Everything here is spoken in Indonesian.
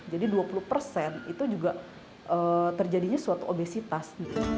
jadi dua puluh persen itu juga terjadinya suatu obesitas